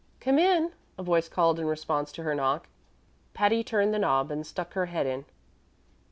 "Come in," a voice called in response to her knock. Patty turned the knob and stuck her head in.